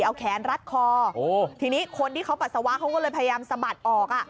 เอาแขนรัดคอทีนี้คนที่เขาปัสสาวะเขาก็เลยพยายามสะบัดออกอ่ะ